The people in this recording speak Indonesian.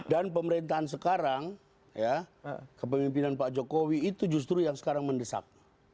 dan pemerintahan sekarang ya kepemimpinan pak jokowi itu justru yang sekarang mendesak